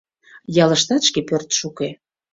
Ялыштат шке пӧртшӧ уке.